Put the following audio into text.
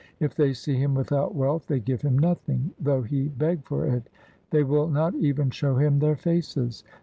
If they see him without wealth, they give him nothing, though he beg for it ; they will not even show him their faces.